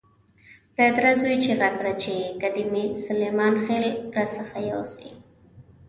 د تره زوی چیغه کړه چې که دې سلیمان خېل را څخه يوسي.